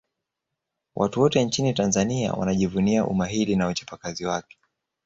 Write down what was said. watu wote nchini tanzania wanajivunia umahili na uchapakazi wake